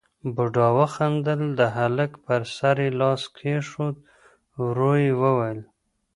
بوډا وخندل، د هلک پر سر يې لاس کېښود، ورو يې وويل: